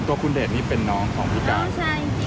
ส่วนตัวคุณเดชนี่เป็นน้องของพี่การเช่นจริง